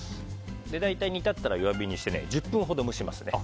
大体煮立ったら弱火にして１０分ほど蒸します。